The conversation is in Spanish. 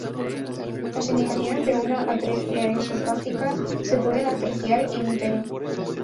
Las indicaciones de una atresia esofágica se pueden apreciar "in utero".